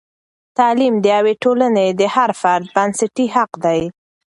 تعلیم د یوې ټولنې د هر فرد بنسټي حق دی.